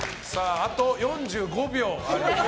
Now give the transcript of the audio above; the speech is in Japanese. あと４５秒。